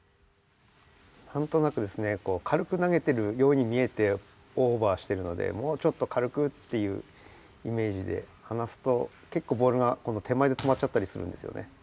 何となくですね軽く投げてるように見えてオーバーしてるのでもうちょっと軽くっていうイメージではなすと結構ボールが手前で止まっちゃったりするんですよね。